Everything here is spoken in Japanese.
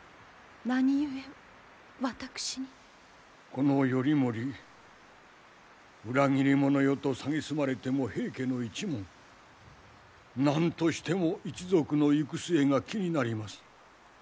この頼盛裏切り者よと蔑まれても平家の一門何としても一族の行く末が気になります。